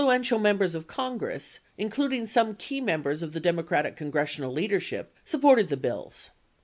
676 ential Members of Congress, including some key members of the Democratic congressional leadership, supported the bills.